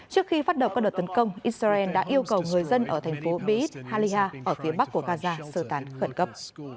trước khi phát đầu các đợt tấn công israel đã yêu cầu người dân ở thành phố be it halihah ở phía bắc của gaza sơ tán khẩn cấp